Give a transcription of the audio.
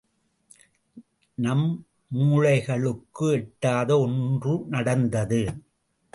நம் மூளைகளுக்கு எட்டாத ஒன்று நடந்தது.